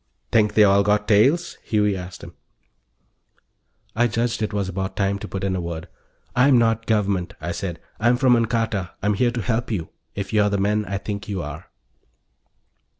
"Think they all got tails?" Huey asked him. I judged it was about time to put in a word. "I'm not Government," I said. "I'm from Ancarta. I'm here to help you if you're the men I think you are."